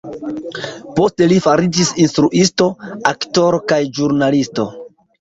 Poste li fariĝis instruisto, aktoro kaj ĵurnalisto.